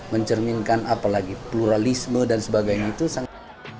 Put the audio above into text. mencerminkan apalagi pluralisme dan sebagainya itu sangat